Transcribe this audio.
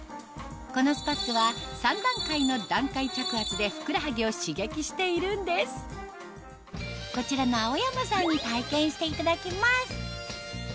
このスパッツは３段階の段階着圧でふくらはぎを刺激しているんですこちらの青山さんに体験していただきます